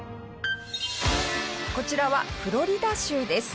こちらはフロリダ州です。